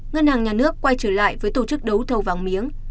ngân hàng nhà nước quay trở lại với tổ chức đấu thầu vàng miếng